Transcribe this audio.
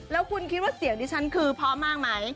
แล้วคุณคิดว่าเสียงดิฉันคือพร้อมมากไหม